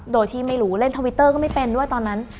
โดยที่ไม่รู้เล่นทวิตเตอร์ก็ไม่เป็นด้วยตอนนั้น